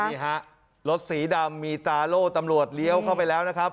นี่ฮะรถสีดำมีตาโล่ตำรวจเลี้ยวเข้าไปแล้วนะครับ